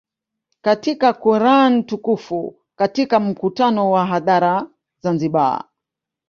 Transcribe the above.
katika Quran Tukufu Katika mkutano wa hadhara Zanzibar